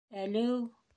— Әлеү-ү...